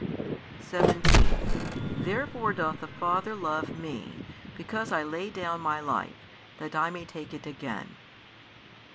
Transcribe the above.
17 Therefore doth the Father love Me, because I lay down My life, that 1 may take it again.